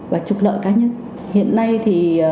và trục lợi cá nhân hiện nay thì